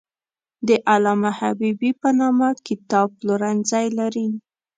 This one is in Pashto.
د علامه حبیبي په نامه کتاب پلورنځی لري.